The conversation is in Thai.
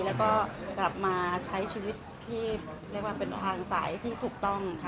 แล้วก็กลับมาใช้ชีวิตที่เรียกว่าเป็นทางสายที่ถูกต้อง